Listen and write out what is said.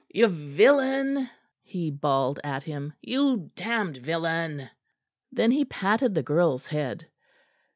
"You villain!" he bawled at him. "You damned villain!" Then he patted the girl's head.